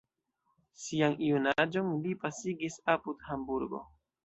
Sian junaĝon li pasigis apud Hamburgo.